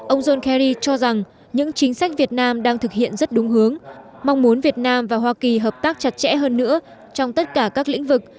ông john kerry cho rằng những chính sách việt nam đang thực hiện rất đúng hướng mong muốn việt nam và hoa kỳ hợp tác chặt chẽ hơn nữa trong tất cả các lĩnh vực